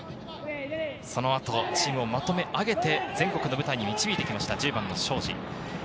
そのあとチームをまとめ上げて、全国の舞台に導いてきました、１０番・庄司。